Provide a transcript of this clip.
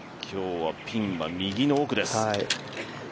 今日はピンは右の奥です。